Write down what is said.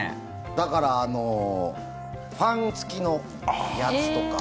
だからファン付きのやつとか。